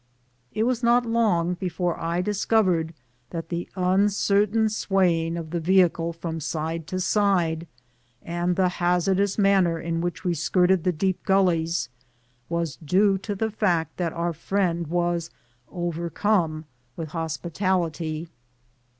It was not long before I discovered that the uncertain swaying of the vehicle from side to side, and the hazardous manner in which we skirted the deep gullies, was due to the fact that our friend was overcome with hospitality.